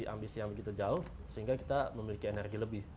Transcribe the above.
ambisi yang begitu jauh sehingga kita memiliki energi lebih